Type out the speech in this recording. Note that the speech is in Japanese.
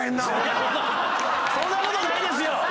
そんなことないですよ！